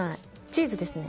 チーズですね。